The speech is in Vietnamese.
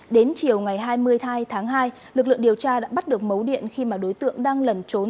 đến chiều ngày hai mươi hai tháng hai lực lượng điều tra đã bắt được mấu điện khi mà đối tượng đang lẩn trốn